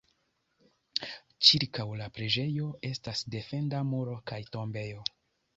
Ĉirkaŭ la preĝejo estas defenda muro kaj tombejo.